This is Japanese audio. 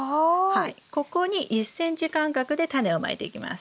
はいここに１ｃｍ間隔でタネをまいていきます。